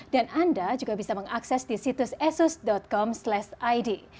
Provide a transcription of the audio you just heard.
dan anda juga bisa mengakses di situs asus com id